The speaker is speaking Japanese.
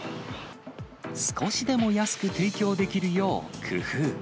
少しでも安く提供できるよう工夫。